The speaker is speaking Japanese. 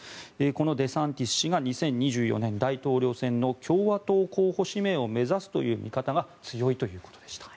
このデサンティス氏が２０２４年大統領選の共和党候補指名を目指すという見方が強いということでした。